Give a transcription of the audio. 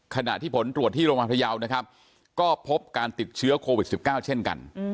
ขณะที่ผลตรวจที่โรงพยาบาลพยาวนะครับก็พบการติดเชื้อโควิด๑๙เช่นกัน